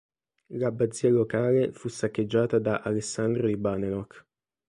L'abbazia locale fu saccheggiata da Alessandro di Badenoch.